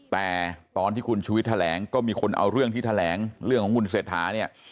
แต่ตอนที่คุณชุวิตแถลงก็มีคนเอาเรื่องที่แถลงเรื่องของคุณเศรษฐาเนี่ย